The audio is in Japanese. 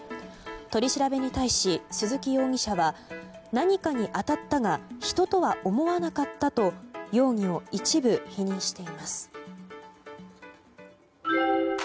取り調べに対し、鈴木容疑者は何かに当たったが人とは思わなかったと容疑を一部否認しています。